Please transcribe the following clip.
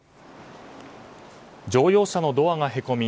乗用車のドアがへこみ